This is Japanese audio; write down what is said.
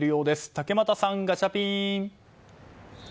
竹俣さん、ガチャピン。